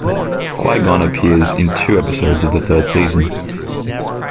Qui-Gon appears in two episodes of the third season.